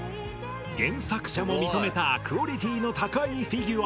原作者も認めたクオリティーの高いフィギュア。